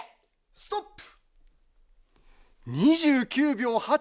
ストップ！